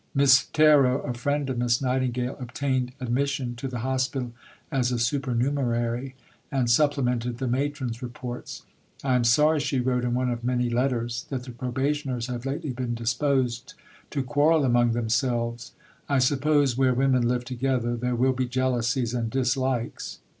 Miss Terrot, a friend of Miss Nightingale, obtained admission to the Hospital as a supernumerary, and supplemented the Matron's reports. "I am sorry," she wrote in one of many letters, "that the Probationers have lately been disposed to quarrel among themselves; I suppose where women live together, there will be jealousies and dislikes."